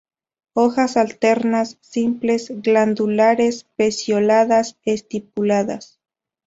Hojas alternas, simples, glandulares; pecioladas, estipuladas.